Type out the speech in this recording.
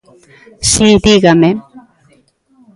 Si, dígame.